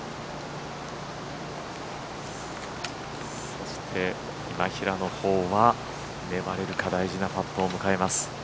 そして今平のほうは粘れるか大事なパットを迎えます。